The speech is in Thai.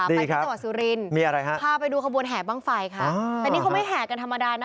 ไปที่จังหวัดสุรินทร์มีอะไรฮะพาไปดูขบวนแห่บ้างไฟค่ะแต่นี่เขาไม่แห่กันธรรมดานะ